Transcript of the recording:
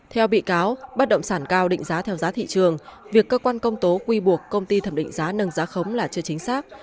theo bị cáo bất động sản cao định giá theo giá thị trường việc cơ quan công tố quy buộc công ty thẩm định giá nâng giá khống là chưa chính xác